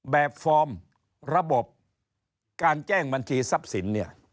แบบฟอร์มระบบการแจ้งบัญชีทรัพย์สิน